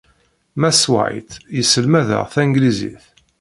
Mass White yesselmad-aɣ tanglizit.